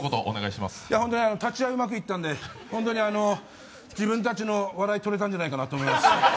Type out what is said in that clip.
立合うまくいったんで、自分たちの笑い、取れたんじゃないかと思います。